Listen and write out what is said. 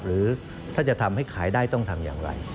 หรือถ้าจะทำให้ขายได้ต้องทำอย่างไร